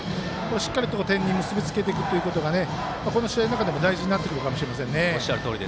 しっかりと点に結び付けていくということがこの試合の中でも大事になってくるかもしれません。